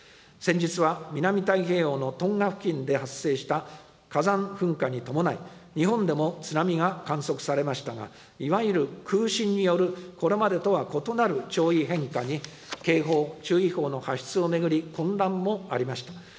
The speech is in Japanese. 先日は、南太平洋のトンガ付近で発生した火山噴火に伴い、日本でも津波が観測されましたが、いわゆる空振による、これまでとは異なる潮位変化に、警報・注意報の発出を巡り、混乱もありました。